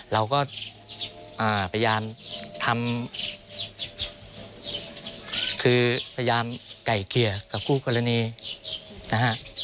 เราก็พยายามทำคือพยายามไก่เกลี่ยกับคู่กรณีนะฮะ